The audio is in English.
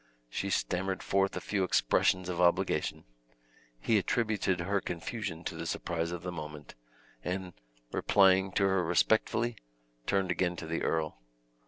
She stammered forth a few expressions of obligation; he attributed her confusion to the surprise of the moment, and, replying to her respectfully, turned again to the earl.